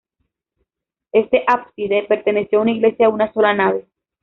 Este ábside perteneció a una iglesia de una sola nave.